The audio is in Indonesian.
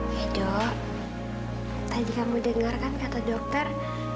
yado tadi kamu dengar kan kata dokter